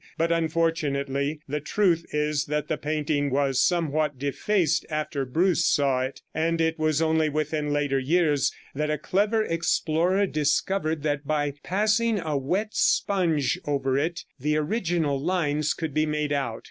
But, unfortunately, the truth is that the painting was somewhat defaced after Bruce saw it, and it was only within later years that a clever explorer discovered that by passing a wet sponge over it the original lines could be made out.